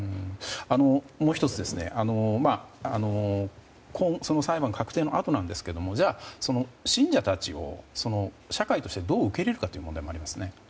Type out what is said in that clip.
もう１つ裁判が確定のあとですが信者たちを社会としてどう受け入れるかという問題もありますね。